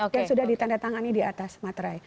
yang sudah ditandatangani di atas materai